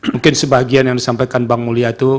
mungkin sebagian yang disampaikan bang mulia itu